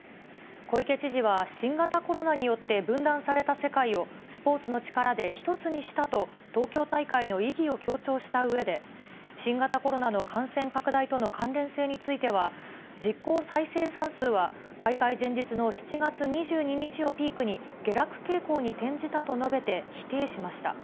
小池知事は、新型コロナによって分断された世界を、スポーツの力で一つにしたと、東京大会の意義を強調したうえで、新型コロナの感染拡大との関連性については、実効再生産数は、開会前日の７月２２日をピークに、下落傾向に転じたと述べて否定しました。